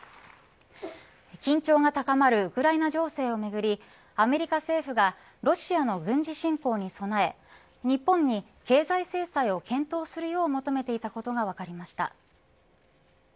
緊張が高まるウクライナ情勢をめぐりアメリカ政府がロシアの軍事侵攻に備え日本に経済制裁を検討するよう求めていたことが分かりました。